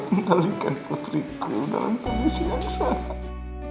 kamu menjalinkan petriku dalam keadaan yang salah